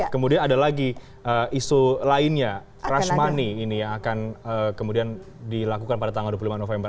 kemudian ada lagi isu lainnya rush money ini yang akan kemudian dilakukan pada tanggal dua puluh lima november